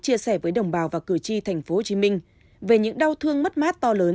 chia sẻ với đồng bào và cử tri tp hcm về những đau thương mất mát to lớn